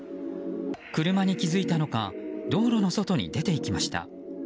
車に気付いたのか道路の外に出て行きました。